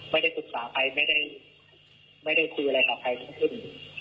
ไม่ได้ปรึกษาใครไม่ได้คุยอะไรกับใครทั้งสิ้น